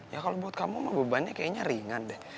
ya kalau buat kamu bebannya kayaknya ringan deh